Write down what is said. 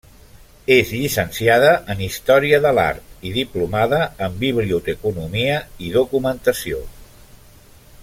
És llicenciada en Història de l'Art i diplomada en Biblioteconomia i Documentació.